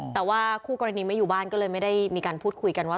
แต่ว่าคู่กรณีไม่อยู่บ้านก็เลยไม่ได้มีการพูดคุยกันว่า